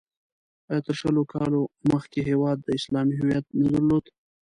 آیا تر شلو کالو مخکې هېواد اسلامي هویت نه درلود؟